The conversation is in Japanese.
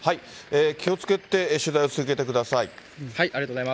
気をつけて取材を続けてください。